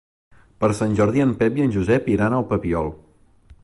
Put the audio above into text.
Per Sant Jordi en Pep i en Josep iran al Papiol.